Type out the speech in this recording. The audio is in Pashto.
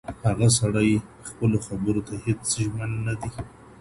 هغه سړی خپلو خبرو ته هېڅ ژمن نه دی.